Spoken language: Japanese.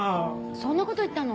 そんなこと言ったの？